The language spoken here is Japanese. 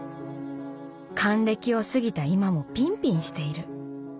還暦を過ぎた今もピンピンしている。